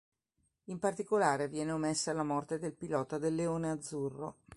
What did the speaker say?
In particolare viene omessa la morte del pilota del leone azzurro.